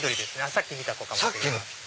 さっき見た子かもしれない。